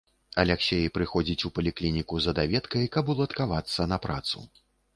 Аляксей прыходзіць у паліклініку за даведкай, каб уладкавацца на працу.